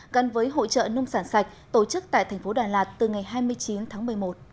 gắn với hỗ trợ nông sản sạch tổ chức tại thành phố đà lạt từ ngày hai mươi chín tháng một mươi một